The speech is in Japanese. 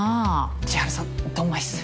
千晴さんドンマイっす。